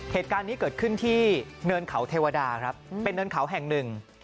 เหตุการณ์นี้เกิดขึ้นที่เนินเขาเทวดาครับเป็นเนินเขาแห่งหนึ่ง